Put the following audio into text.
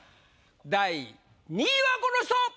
第２位はこの人！